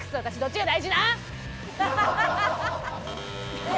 ハハハハ！